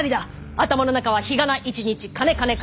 頭の中は日がな一日金金金！